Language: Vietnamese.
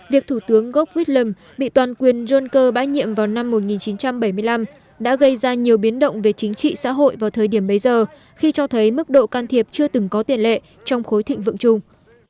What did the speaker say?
việc thủ tướng gough whitlam bị toàn quyền john ker bãi nhiệm vào năm một nghìn chín trăm bảy mươi năm đã gây ra nhiều biến động về chính trị xã hội vào thời điểm bấy giờ khi cho thấy mức độ can thiệp chưa từng có tiền lệ trong khối thịnh vượng chung